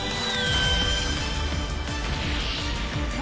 あ？